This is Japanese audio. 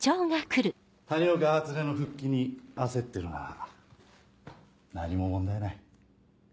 谷岡初音の復帰に焦ってるなら何も問題ない。